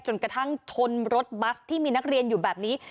จนกระทั่งชนรถบัสที่มีนักเรียนอยู่แบบนี้